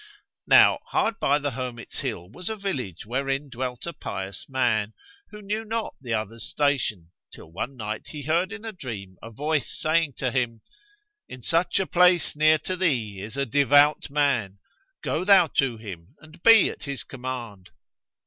Now hard by the hermit's hill was a village wherein dwelt a pious man, who knew not the other's station, till one night he heard in a dream a Voice saying to him, "In such a place near to thee is a devout man: go thou to him and be at his command!"